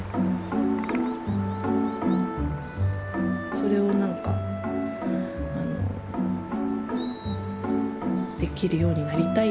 それをなんかできるようになりたい。